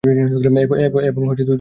এবং তুমি, মিস মোটা মলি।